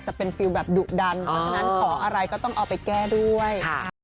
จะเป็นฟิลแบบดุดันฉะนั้นขออะไรก็ต้องเอาไปแก้ด้วย